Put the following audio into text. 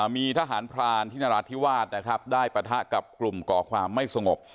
มีทหารพรานที่นราธิวาสนะครับได้ปะทะกับกลุ่มก่อความไม่สงบ